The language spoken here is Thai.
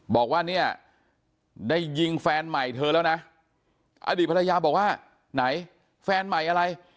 บอกว่าเนี่ยได้ยิงแฟนใหม่เธอแล้วนะอดีตภรรยาบอกว่าไหนแฟนใหม่อะไร